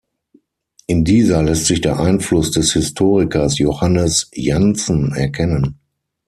In dieser lässt sich der Einfluss des Historikers Johannes Janssen erkennen.